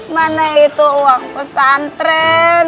mana itu uang pesantren